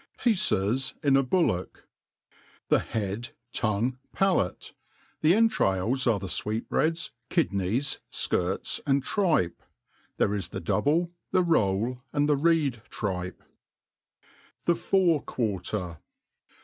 Piece{ in a Bullocks THE bead, tong4ie, palate; the entrails are the fweetbreads, kidneys, fkirts, and tripe 3 there is the double^ the roll, and the reed tripe. ._•« 7 he Fore Quarter.